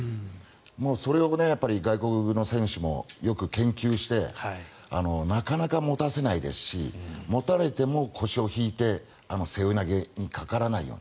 それを外国の選手もよく研究してなかなか持たせないですし持たれても腰を引いて背負い投げにかからないように。